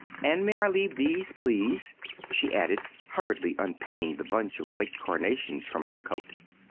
And may I leave these, please?" she added, hurriedly unpinning the bunch of white carnations from her coat.